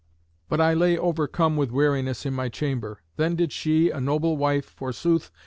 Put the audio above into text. But I lay overcome with weariness in my chamber. Then did she, a noble wife, forsooth!